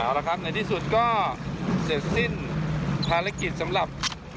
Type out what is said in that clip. เอาละครับในที่สุดก็เสร็จสิ้นภารกิจสำหรับ